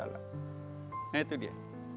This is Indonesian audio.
nah itu dia